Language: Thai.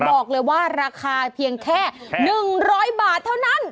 บอกเลยว่าราคาเพียงแค่๑๐๐บาทเท่านั้น